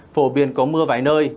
phổ biến có mưa vài nơi